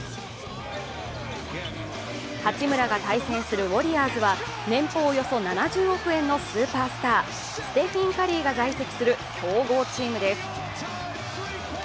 八村が対戦するウォリアーズは年俸およそ７０億円のスーパースター、ステフィン・カリーが在籍する強豪チームです。